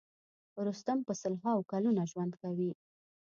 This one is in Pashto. رستم په سل هاوو کلونه ژوند کوي.